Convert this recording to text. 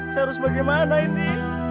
saya harus bagaimana ini